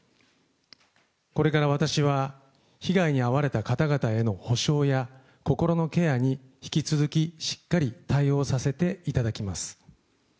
これから私は被害に遭われた方々への補償や心のケアに引き続きしっかり対応させていただきます。